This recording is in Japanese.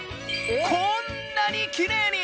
こんなにきれいに！